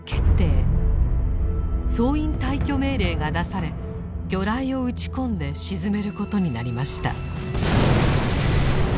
総員退去命令が出され魚雷を撃ち込んで沈めることになりました。